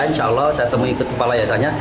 insya allah saya temui kepala yasanya